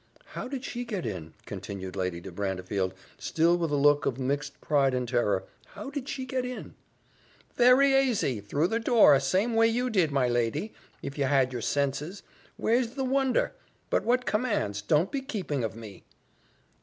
"How did she get in?" continued Lady de Brantefield, still with a look of mixed pride and terror: "how did she get in?" "Very asy! through the door same way you did, my lady, if ye had your senses. Where's the wonder? But what commands? don't be keeping of me."